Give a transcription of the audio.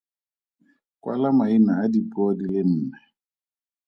Kwala maina a dipuo di le nne.